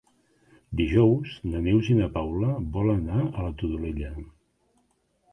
Dijous na Neus i na Paula volen anar a la Todolella.